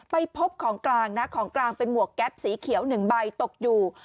ไปพบของกลางนะของกลางเป็นหมวกแก๊ปสีเขียว๑ใบตกอยู่